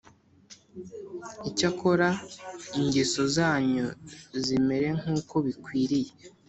Icyakora ingeso zanyu zimere nk uko bikwiriye